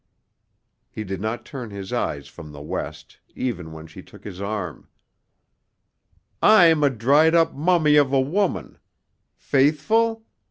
He did not turn his eyes from the west, even when she shook his arm. "I'm a dried up mummy of a woman faithful?